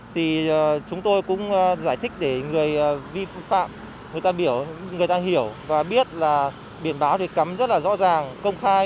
thì chúng tôi cũng giải thích để người vi phạm người ta hiểu và biết là biển báo thì cấm rất là rõ ràng công khai